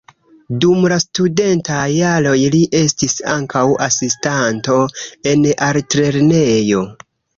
Dum la studentaj jaroj li estis ankaŭ asistanto en la altlernejo.